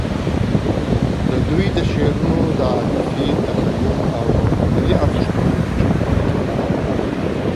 د دوی د شعرونو د عاطفی، تخیّل، او ملی اندیښنو په چو پړ کي